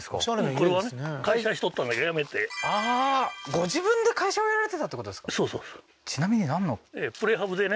ご自分で会社をやられてたってことですか？